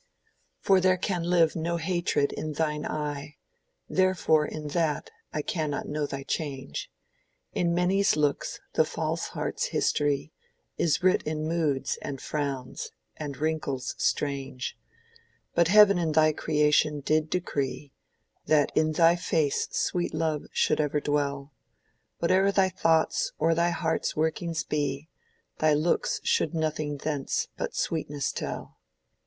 "For there can live no hatred in thine eye, Therefore in that I cannot know thy change: In many's looks the false heart's history Is writ in moods and frowns and wrinkles strange: But Heaven in thy creation did decree That in thy face sweet love should ever dwell: Whate'er thy thoughts or thy heart's workings be Thy looks should nothing thence but sweetness tell."